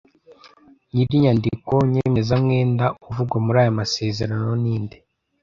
Nyir’inyandiko nyemezamwenda uvugwa muri aya masezerano, ni nde?